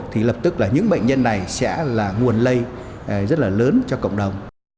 thì lập tức là những bệnh nhân này sẽ là nguồn lây rất là lớn cho cộng đồng